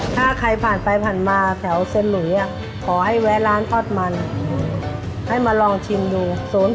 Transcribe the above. ถ้าใครผ่านไปผ่านมาแถวเซ็นหลุยขอให้แวะร้านทอดมันให้มาลองชิมดู๐๘๖๙๐๓๑๙๔๘